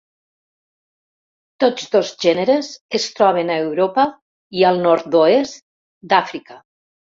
Tots dos gèneres es troben a Europa i al nord-oest d'Àfrica.